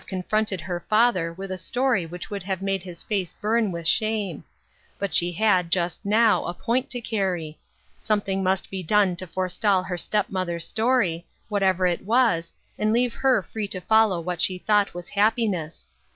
confronted her father with a story which would have made his face burn with shame ; but she had, just now, a point to carry ; something must be done to forestall her step mother's story, whatever it was, and leave her free to follow what she thought was happiness.